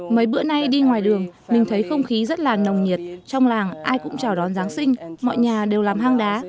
mấy bữa nay đi ngoài đường mình thấy không khí rất là nồng nhiệt trong làng ai cũng chào đón giáng sinh mọi nhà đều làm hang đá